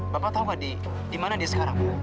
bapak tahu pak di mana dia sekarang